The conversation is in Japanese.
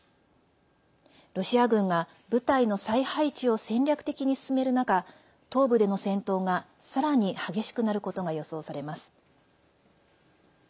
ロシア軍が、部隊の再配置を戦略的に進める中東部での戦闘が、さらに激しくなることが予想されます。